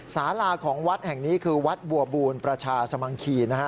สาราของวัดแห่งนี้คือวัดบัวบูลประชาสมังคีนะฮะ